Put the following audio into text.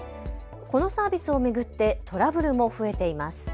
このサービスを巡ってトラブルも増えています。